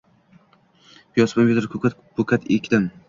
Piyoz, pomidor, koʻkat-poʻkat ekdim.